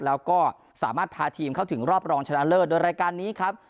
แล้วก็สามารถพาทีมเข้าถึงรอบรองชนะเลิศโดยรายการนี้ครับ